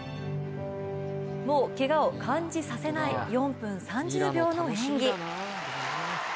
もうけがを感じさせない４分３０秒の演技。